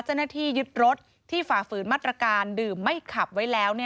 เจ้าหน้าที่ยึดรถที่ฝ่าฝืนมาตรการดื่มไม่ขับไว้แล้ว